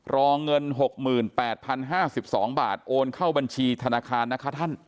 รองเงินหกหมื่นแปดพันห้าสิบสองบาทโอนเข้าบัญชีธนาคารนะคะท่าน